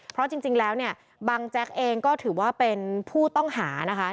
เพราะจริงแล้วเนี่ยบังแจ๊กเองก็ถือว่าเป็นผู้ต้องหานะคะ